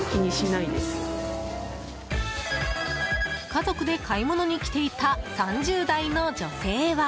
家族で買い物に来ていた３０代の女性は。